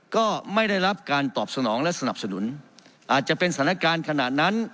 ก็ไม่ได้รับการตอบสนองและสนับสนุนอาจจะเป็นสถานการณ์ขนาดนั้น